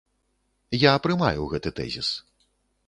Я прымаю гэты тэзіс.